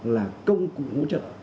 là công cụ hỗ trợ